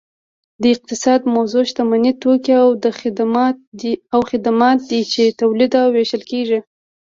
د اقتصاد موضوع شتمني توکي او خدمات دي چې تولید او ویشل کیږي